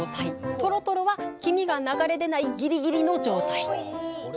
とろとろは黄身が流れ出ないギリギリの状態。